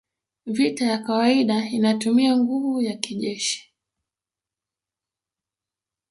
Vita ya kawaida inatumia nguvu ya kijeshi